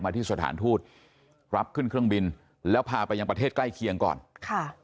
ที่สถานทูตรับขึ้นเครื่องบินแล้วพาไปยังประเทศใกล้เคียงก่อนค่ะ